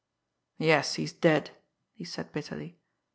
"Yes, he's dead!" he said bitterly.